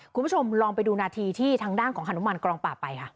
คุณผู้ชมลองไปดูนาทีที่ทางด้านของฮานุมานกองปราบไปค่ะ